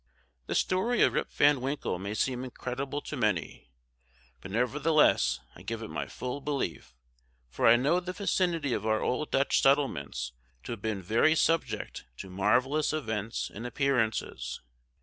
"The story of Rip Van Winkle may seem incredible to many, but nevertheless I give it my full belief, for I know the vicinity of our old Dutch settlements to have been very subject to marvellous events and appearances.